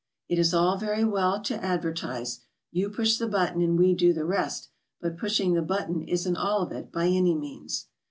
It is all very well to advertise, "You push the button and we do the rest,*' but pushing the button isn't all of it by any means.